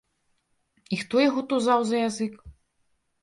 І хто яго тузаў за язык?